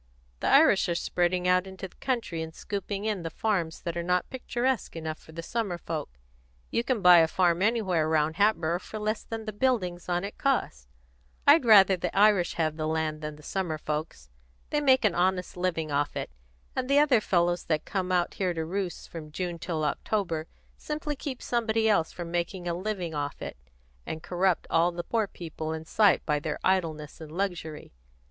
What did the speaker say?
The Irish are spreading out into the country and scooping in the farms that are not picturesque enough for the summer folks. You can buy a farm anywhere round Hatboro' for less than the buildings on it cost. I'd rather the Irish would have the land than the summer folks. They make an honest living off it, and the other fellows that come out to roost here from June till October simply keep somebody else from making a living off it, and corrupt all the poor people in sight by their idleness and luxury.